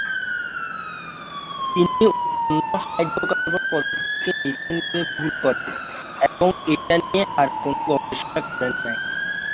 তিনি উৎপন্ন হাইড্রোকার্বন পদার্থকে মিথেন ভেবে ভুল করেন এবং এটা নিয়ে আর কোন গবেষণা করেন নাই।